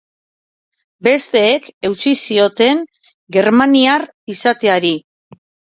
Besteek eutsi zioten germaniar izateari.